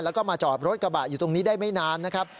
แล้วก็มาจอดรถกระบะอยู่ตรงนี้ได้ไม่นานนะครับ